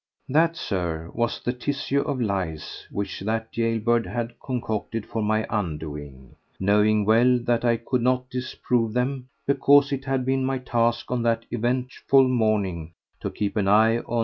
That, Sir, was the tissue of lies which that jailbird had concocted for my undoing, knowing well that I could not disprove them because it had been my task on that eventful morning to keep an eye on M.